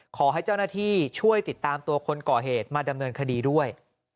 ขอให้เจ้าหน้าที่ช่วยติดตามตัวคนก่อเหตุมาดำเนินคดีด้วย